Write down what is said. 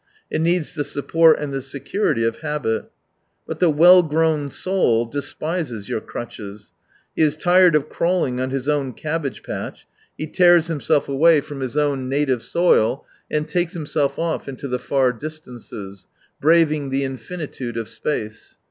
It needs the support and the security of habit, But the well grown soul despises your crutches. He is tired of crawling on his own cabbage patch, he tears himself away from his own 90 " native " soil, and takes himself off into the far distances, braving the infinitude of space.